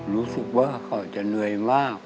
รู้สึกว่าเขาจะเหนื่อยมาก